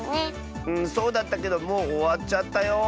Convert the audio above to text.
うんそうだったけどもうおわっちゃったよ。